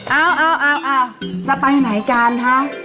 เอาจะไปไหนกันคะ